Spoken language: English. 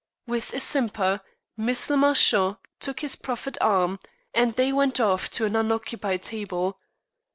With a simper, Miss le Marchant took his proffered arm, and they went off to an unoccupied table.